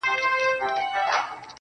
ورځم د خپل نړانده کوره ستا پوړونی راوړم.